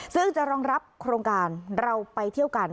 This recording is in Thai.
ซึ่งจะรองรับโครงการเราไปเที่ยวกัน